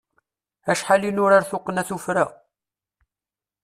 Acḥal i nurar tuqqna tuffra!